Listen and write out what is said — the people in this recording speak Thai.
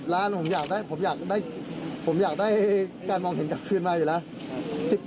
๑๐ล้านผมอยากได้การมองเห็นกลับคืนมาอยู่แล้ว